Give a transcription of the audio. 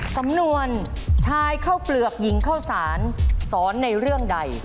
สำนวนชายเข้าเปลือกหญิงเข้าสารสอนในเรื่องใด